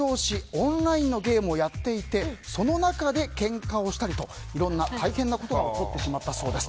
オンラインのゲームをやっていてその中で、けんかをしたりといろんな大変なことが起こってしまったそうです。